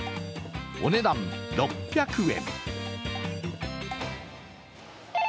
お値段６００円。